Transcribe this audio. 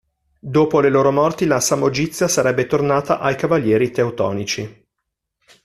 Dopo le loro morti la Samogizia sarebbe tornata ai Cavalieri Teutonici.